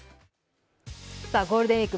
ゴールデンウイーク